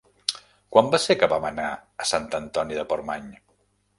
Quan va ser que vam anar a Sant Antoni de Portmany?